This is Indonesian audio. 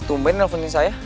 tumben nelfonin saya